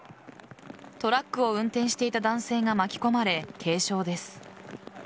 トラックを運転していた男性が巻き込まれ軽傷です。